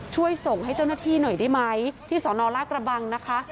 ช่วยส่งให้เจ้าหน้าที่หน่อยได้ไหมที่สอนอลากระบังนะคะ